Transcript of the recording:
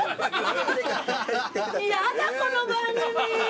やだこの番組。